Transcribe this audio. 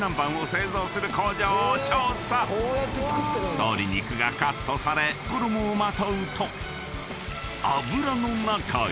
［鶏肉がカットされ衣をまとうと油の中へ。